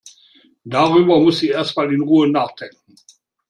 Darüber muss sie erst mal in Ruhe nachdenken.